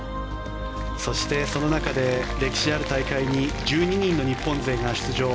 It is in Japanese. そして、その中で歴史ある大会に１２人の日本勢が出場。